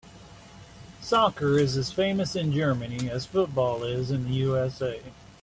Soccer is as famous in Germany as football is in the USA.